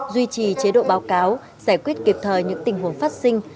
duy trì chế độ báo cáo giải quyết kịp thời những tình huống phát sinh